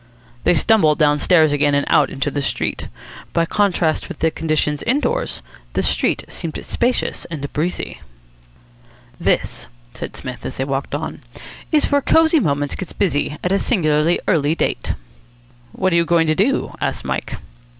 They stumbled downstairs again and out into the street. By contrast with the conditions indoors the street seemed spacious and breezy. "This," said Psmith, as they walked on, "is where Cosy Moments gets busy at a singularly early date." "What are you going to do?" asked Mike.